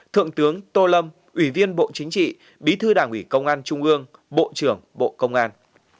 thượng tướng tô lâm ủy viên bộ chính trị bí thư đảng ủy công an trung ương bộ trưởng bộ công an